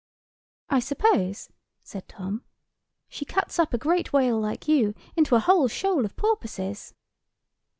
"I suppose," said Tom, "she cuts up a great whale like you into a whole shoal of porpoises?"